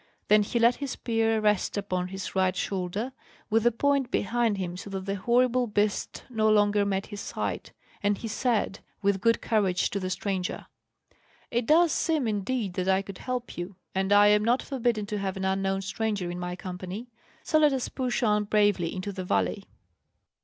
Then he let his spear rest upon his right shoulder, with the point behind him, so that the horrible beast no longer met his sight; and he said, with good courage, to the stranger, "It does seem, indeed, that I could help you, and I am not forbidden to have an unknown stranger in my company; so let us push on bravely into the valley!"